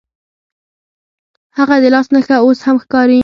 هغه د لاس نښه اوس هم ښکاري.